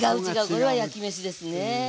これは焼きめしですね。